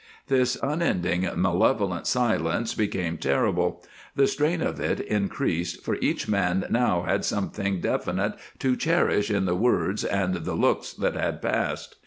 This unending malevolent silence became terrible. The strain of it increased, for each man now had something definite to cherish in the words and the looks that had passed.